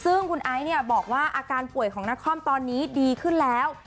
ซึ่งคุณไอซ์เนี่ยบอกว่าอาการป่วยของนครตอนนี้ดีขึ้นแล้ว